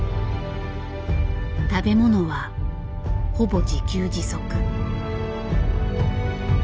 食べ物はほぼ自給自足。